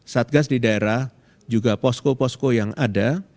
satgas di daerah juga posko posko yang ada